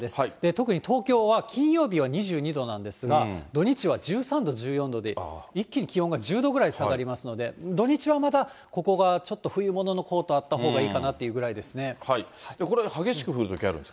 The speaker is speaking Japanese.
特に東京は、金曜日は２２度なんですが、土日は１３度、１４度で、一気に気温が１０度ぐらい下がりますので、土日はまたここがちょっと冬物のコートあったほうがいいかなってこれ、激しく降るときあるん